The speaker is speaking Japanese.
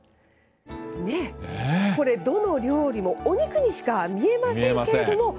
ねぇ、これどの料理もお肉にしか見えませんけれども。